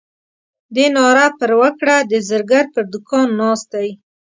دې ناره پر وکړه د زرګر پر دوکان ناست دی.